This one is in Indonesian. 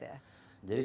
betul bisa ya